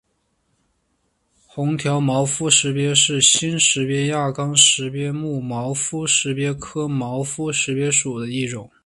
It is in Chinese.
红条毛肤石鳖是新石鳖亚纲石鳖目毛肤石鳖科毛肤石鳖属的一种。